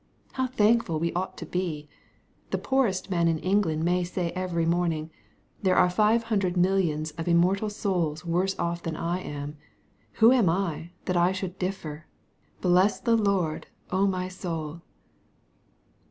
How thankful we ought to be ! The poorest man in England may say . every morning, "There are five hundred millions of immortal souls worse off than I am. Who am I, that I should differ ? Bless the Lord, my soul."